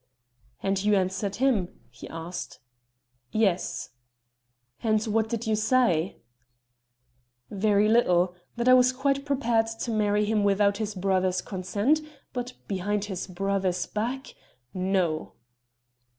"And you answered him?" he asked. "Yes." "And what did you say?" "Very little that I was quite prepared to marry him without his brother's consent, but behind his brother's back? No!"